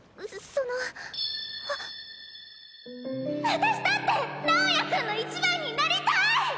私だって直也君の１番になりたい！